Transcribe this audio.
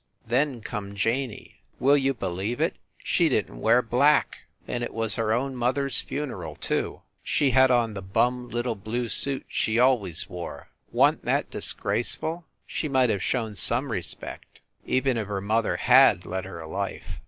Then come Janey. Will you believe it, she didn t wear black and it was her own mother s funeral, too ! She had on the bum little blue suit she always wore. Wan t that disgraceful? She might have shown some respect, even if her mother had led her a life.